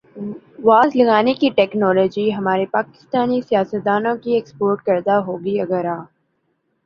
was لگانے کی technology ہمارے پاکستانی سیاستدا نوں کی ایکسپورٹ کردہ ہوگی اگر آ